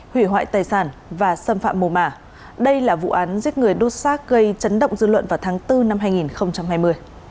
hủy hoại tài sản và xâm phạm mồ mả đây là vụ án giết người đốt xác gây chấn động dư luận vào tháng bốn năm hai nghìn hai mươi